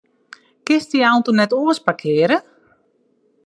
Kinst dy auto net oars parkearje?